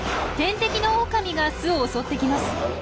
天敵のオオカミが巣を襲ってきます。